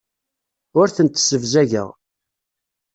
Ur tent-ssebzageɣ.